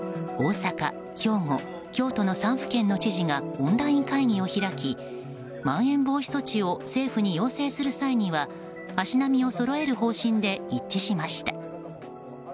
大阪、兵庫、京都の３府県の知事がオンライン会議を開きまん延防止措置を政府に要請する際には、足並みをそろえる方針で一致しました。